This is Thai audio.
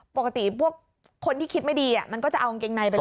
ปกติพวกคนที่คิดไม่ดีมันก็จะเอากางเกงในไปด้วย